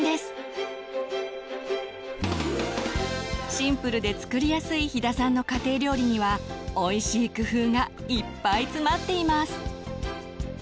シンプルで作りやすい飛田さんの家庭料理にはおいしい工夫がいっぱい詰まっています。